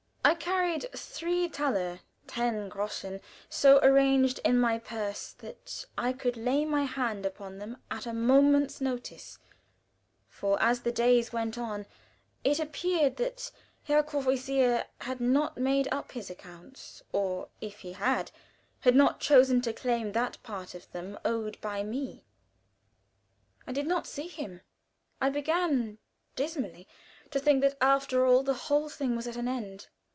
I carried three thalers ten groschen so arranged in my purse that I could lay my hand upon them at a moment's notice, for as the days went on it appeared that Herr Courvoisier had not made up his accounts, or if he had, had not chosen to claim that part of them owed by me. I did not see him. I began dismally to think that after all the whole thing was at an end.